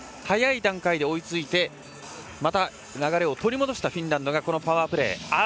早い段階で追いついてまた流れを取り戻したフィンランドがパワープレー。